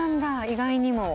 意外にも。